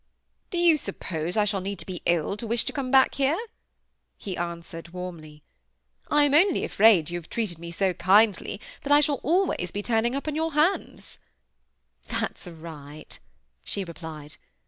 "Do you suppose I shall need to be ill to wish to come back here?" he answered, warmly. "I am only afraid you have treated me so kindly that I shall always be turning up on your hands." "That's right," she replied.